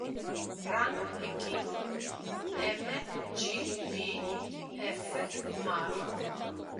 Rang Equipe m. g. p. f. mar.